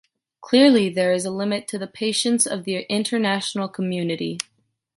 Clearly, there is a limit to the patience of the international community.